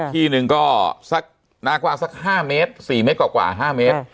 ที่หนึ่งก็สักหน้ากว่าสักห้าเมตรสี่เมตรกว่ากว่าห้าเมตร